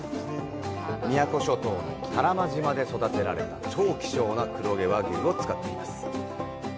宮古諸島の多良間島で育てられた超希少な黒毛和牛を使っています。